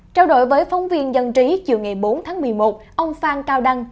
trao đổi với phóng viên dân trí chiều ngày bốn tháng một mươi một ông phan cao đăng